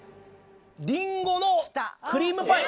「りんごのクリームパイ」。